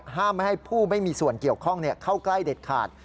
ห้ามไม่ให้ผู้ไม่มีส่วนเกี่ยวข้องเข้าใกล้เด็ดขาด